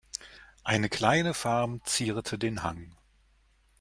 Eine kleine Farm zierte den Hang.